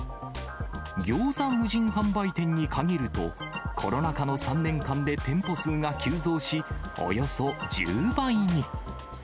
ギョーザ無人販売店に限ると、コロナ禍の３年間で店舗数が急増し、およそ１０倍に。